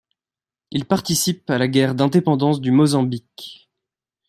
Il participe à la guerre d'indépendance du Mozambique.